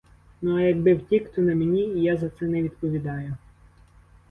Ну, а якби втік, то не мені, і я за це не відповідаю.